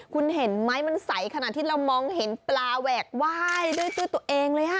คุณเห็นไหมมันใสขนาดที่เรามองเห็นปลาแหวกไหว้ด้วยตัวเองเลย